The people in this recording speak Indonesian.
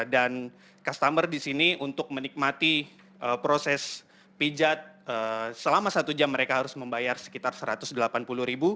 dan customer disini untuk menikmati proses pijat selama satu jam mereka harus membayar sekitar rp satu ratus delapan puluh